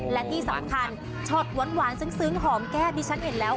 และที่สำคัญช็อตหวานซึ้งหอมแก้มดิฉันเห็นแล้ว